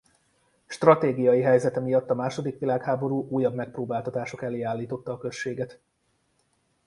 Stratégiai helyzete miatt a második világháború újabb megpróbáltatások elé állította a községet.